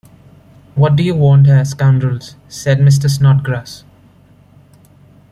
‘What do you want here, scoundrels?’ said Mr. Snodgrass.